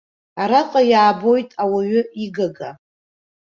Араҟа иаабоит ауаҩы игага.